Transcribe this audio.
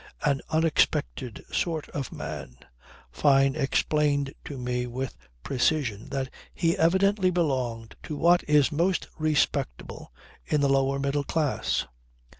An unexpected sort of man. Fyne explained to me with precision that he evidently belonged to what is most respectable in the lower middle classes.